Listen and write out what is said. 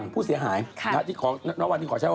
ไปรอแล้ว